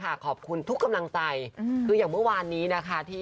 กลับโปรแกทที่แกนคงงานแล้วก็การดูลายกายแม่กันหนู